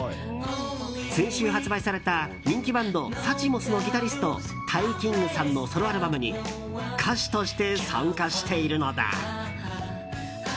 先週発売された人気バンドＳｕｃｈｍｏｓのギタリストＴＡＩＫＩＮＧさんのソロアルバムに歌手として参加しているのだ。